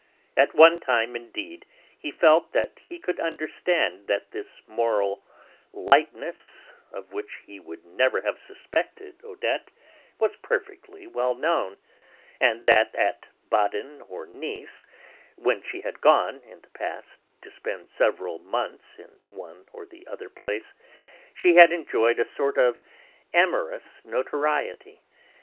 At one time indeed he felt that he could understand that this moral 'lightness,' of which he would never have suspected Odette, was perfectly well known, and that at Baden or Nice, when she had gone, in the past, to spend several months in one or the other place, she had enjoyed a sort of amorous notoriety.